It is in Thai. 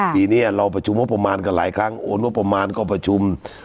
ปีนี้เราประชุมงบประมาณกันหลายครั้งโอนงบประมาณก็ประชุม